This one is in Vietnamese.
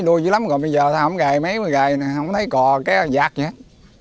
đuôi dữ lắm rồi bây giờ không gầy mấy mươi gầy không thấy cò cái vạt gì hết